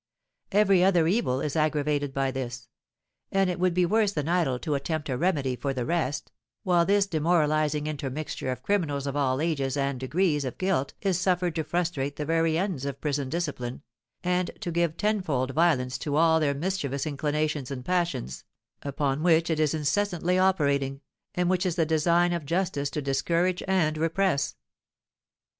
Every other evil is aggravated by this; and it would be worse than idle to attempt a remedy for the rest, while this demoralising intermixture of criminals of all ages and degrees of guilt is suffered to frustrate the very ends of Prison discipline, and to give tenfold violence to all their mischievous inclinations, and passions, upon which it is incessantly operating, and which is the design of justice to discourage and repress.